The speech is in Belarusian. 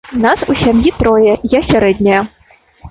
Нас у сям'і трое, я сярэдняя.